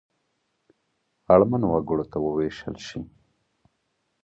اړمنو وګړو ته ووېشل شي.